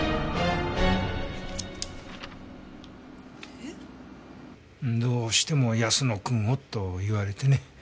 えっ？どうしても泰乃君をと言われてね。